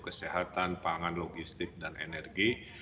kesehatan pangan logistik dan energi